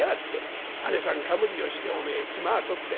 姉さんかぶりをしておめえ褄を取ってよ